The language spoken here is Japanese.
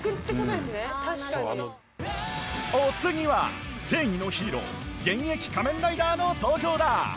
お次は正義のヒーロー現役仮面ライダーの登場だ！